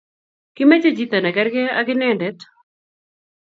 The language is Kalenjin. Kimeche chito nekerker ak inendet